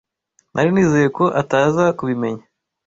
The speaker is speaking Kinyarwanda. Nari nizeye ko ataza kubimenya.